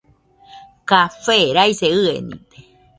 Café raise ɨenide.